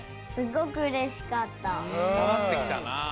つたわってきたな。